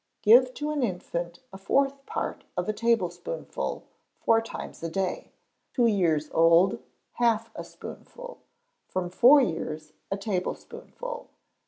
Give to an infant a fourth part of a tablespoonful four times a day; two years old, half a spoonful; from four years, a tablespoonful.